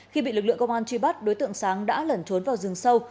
khi bị lực lượng công an truy bắt đối tượng sáng đã lẩn trốn vào rừng sâu